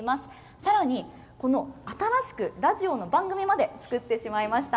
さらに、新しくラジオの番組まで作ってしまいました。